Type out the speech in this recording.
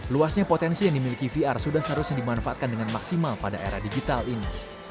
luasnya potensi yang dimiliki vr sudah seharusnya dimanfaatkan dengan maksimal pada era digital ini